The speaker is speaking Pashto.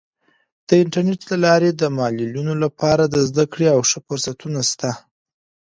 د انټرنیټ له لارې د معلولینو لپاره د زده کړې او ښه فرصتونه سته.